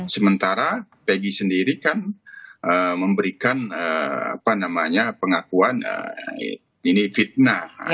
sementara peggy sendiri kan memberikan pengakuan ini fitnah